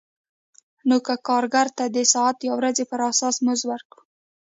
نو که کارګر ته د ساعت یا ورځې پر اساس مزد ورکړم